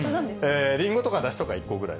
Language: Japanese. リンゴとかナシとか１個くらい。